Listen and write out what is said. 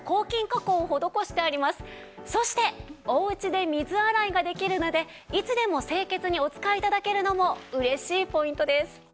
そしておうちで水洗いができるのでいつでも清潔にお使い頂けるのも嬉しいポイントです。